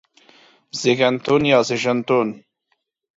زيږنتون يا زيژنتون